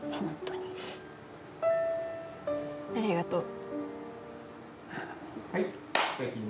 ありがとう。